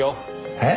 えっ？